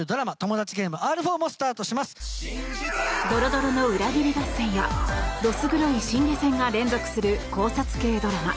ドロドロの裏切り合戦やどす黒い心理戦が連続する考察系ドラマ